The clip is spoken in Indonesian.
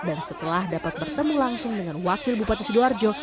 dan setelah dapat bertemu langsung dengan wakil bupati sidoarjo